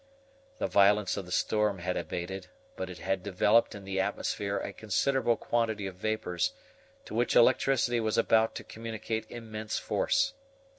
The violence of the storm had abated, but it had developed in the atmosphere a considerable quantity of vapors, to which electricity was about to communicate immense force.